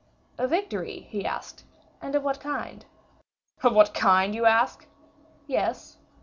"A victory," he asked, "and of what kind?" "Of what kind, you ask?" "Yes."